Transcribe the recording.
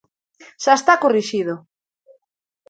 Xa está corrixido.